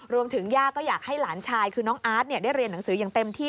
ย่าก็อยากให้หลานชายคือน้องอาร์ตได้เรียนหนังสืออย่างเต็มที่